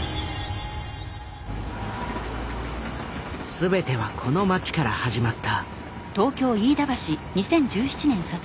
すべてはこの町から始まった。